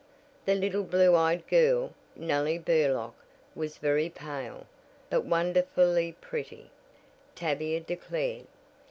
The little blue eyed girl, Nellie Burlock, was very pale, but "wonderfully pretty" Tavia declared.